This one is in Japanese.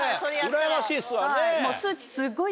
うらやましいっすわね。